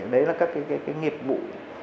đấy là các cái nghiệp vụ